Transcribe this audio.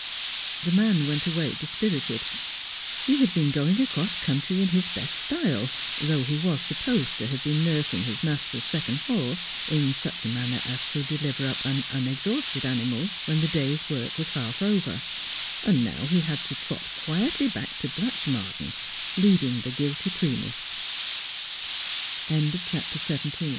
The man went away dispirited. He had been going across country in his best style, though he was supposed to have been nursing his master's second horse in such a manner as to deliver up an unexhausted animal when the day's work was half over, and now he had to trot quietly back to Blatchmardean, leading the